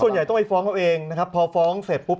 ใหญ่ต้องไปฟ้องเขาเองนะครับพอฟ้องเสร็จปุ๊บ